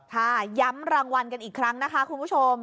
ค่ะย้ำรางวัลกันอีกครั้งนะคะคุณผู้ชม